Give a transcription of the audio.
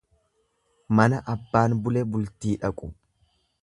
Mana abbaan bule bultii dhaqu.